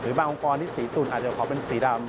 บางองค์กรที่สีตุ่นอาจจะขอเป็นสีดำ